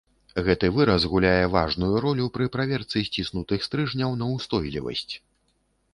Гэты выраз гуляе важную ролю пры праверцы сціснутых стрыжняў на ўстойлівасць.